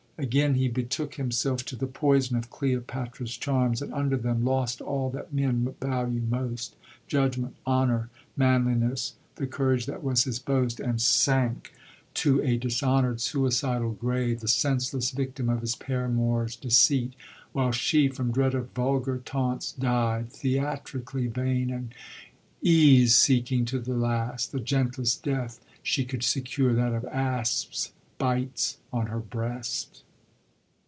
Again he betook him self to the poison of Cleopatra's charms, and under them lost all that men value most» judgment, honor, manli ness, the courage that was his boast, and sank to a 133 SHAKSPERB'S THIRD PERIOD PLAYS dishoQouid suicidal grave, the senseless victim of his paramour's deceit;^ while she, from dread of vulgar taunts, died— 'theatrically vain and ease seeking to the last— the gentlest death she could secure, that of asps' bites on her breast.